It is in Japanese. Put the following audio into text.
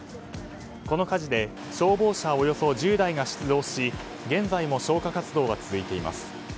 この火事で消防車およそ１０台が出動し現在も消火活動は続いています。